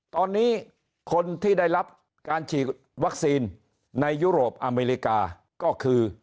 ตอนนี้คนที่ได้รับการฉีดวัคซีนในยุโรปอเมริกาก็คือ